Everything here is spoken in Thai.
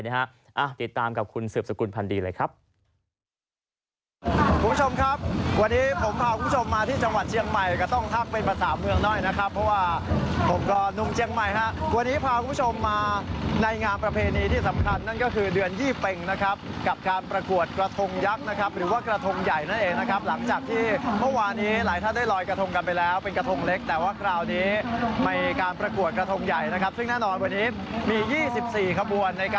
ติดตามกับคุณสืบสกุลพันธ์ดีเลยครับ